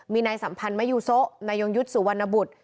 มีนายสัมพันธ์มะยูโซะนายยงยุทธ์สุวรรณบุตร